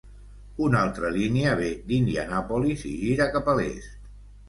Una altra línia ve d'Indianapolis i gira cap a l'est.